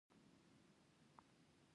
زما ملګري پښتو نه وه زده او ستونزو سره مخ شو